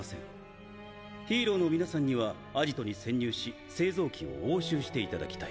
ヒーローの皆さんにはアジトに潜入し製造機を押収して頂きたい。